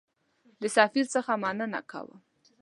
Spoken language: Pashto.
د سفیر څخه مننه کوم.